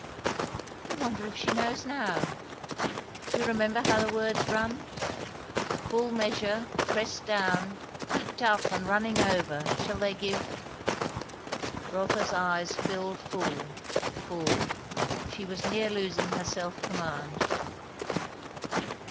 I wonder if she knows now? You remember how the words run, 'Full measure, pressed down, heaped up and running over, shall they give '" Rotha's eyes filled full, full; she was near losing her self command.